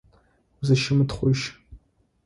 Узыщымытхъужь.